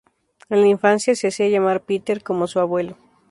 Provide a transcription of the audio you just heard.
En la infancia se hacía llamar "Peter", como su abuelo.